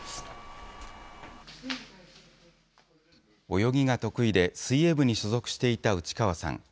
泳ぎが得意で水泳部に所属していた内川さん。